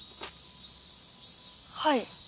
はい。